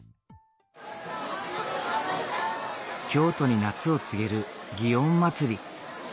京都に夏を告げる園祭。